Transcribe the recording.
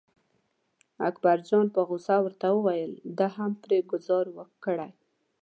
اکبرجان په غوسه ورته وویل ده هم پرې ګوزار کړی.